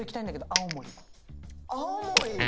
青森。